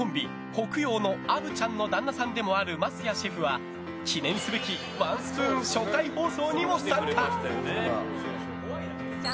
北陽の虻ちゃんの旦那さんでもある枡谷シェフは記念すべきワンスプーン初回放送にも参加！